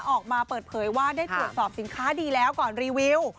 ออกมาเปิดเผยว่าได้ตรวจสอบสินค้าดีแล้วก่อนรีวิว